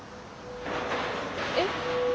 えっ。